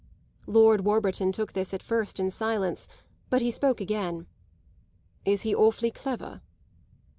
Lord Warburton took this at first in silence, but he spoke again. "Is he awfully clever?"